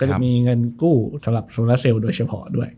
จะมีเงินกู้สำหรับโซลาเซลโดยเฉพาะด้วย